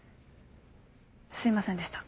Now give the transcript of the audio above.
すいませんでした。